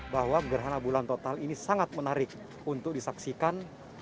bahwa gerhana bulan total ini sangat menarik untuk disaksikan